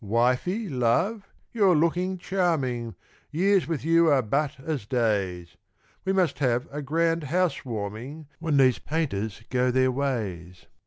Wifey, love, you're looking charming, Years with you are but as days; We must have a grand house warming When these painters go their ways.